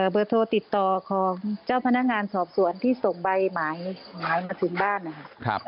เบอร์โทรติดต่อของเจ้าพนักงานสอบสวนที่ส่งใบหมายมาถึงบ้านนะครับ